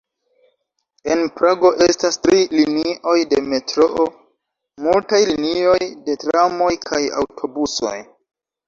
En Prago estas tri linioj de metroo, multaj linioj de tramoj kaj aŭtobusoj.